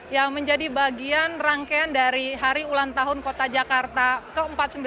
ya menjadi bagian rangkaian dari hari ulang tahun kota jakarta ke empat ratus sembilan puluh enam